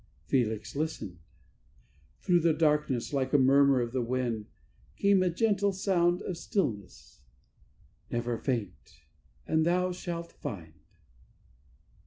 Felix listened: through the darkness, like a murmur of the wind, Came a gentle sound of stillness: "Never faint, and thou shalt find."